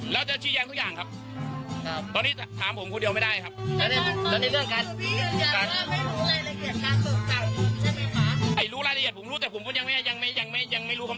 แล้วจะชี้แจงทุกอย่างครับ